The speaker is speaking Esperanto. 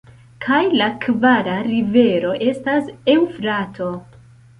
Kaj la kvara rivero estas Eŭfrato.